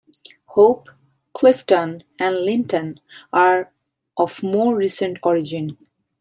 Hope, Clifton, and Linton are of more recent origin.